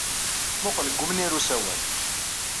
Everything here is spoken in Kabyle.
Mmuqqel deg umnir n usawal.